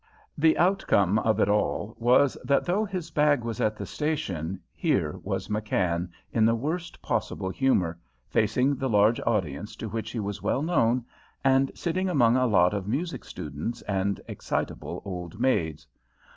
The outcome of it all was that, though his bag was at the station, here was McKann, in the worst possible humour, facing the large audience to which he was well known, and sitting among a lot of music students and excitable old maids.